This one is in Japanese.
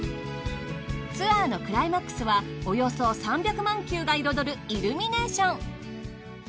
ツアーのクライマックスはおよそ３００万球が彩るイルミネーション。